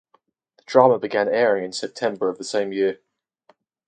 The drama began airing in September of the same year.